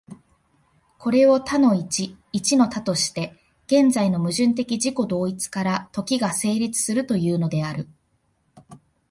これを多の一、一の多として、現在の矛盾的自己同一から時が成立するというのである。